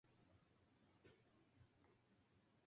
Cuando Colón llegó a La Española descubrió yacimientos auríferos.